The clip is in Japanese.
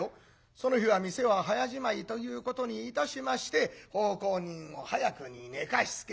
その日は店は早じまいということにいたしまして奉公人を早くに寝かしつける。